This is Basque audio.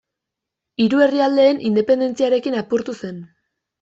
Hiru herrialdeen independentziarekin apurtu zen.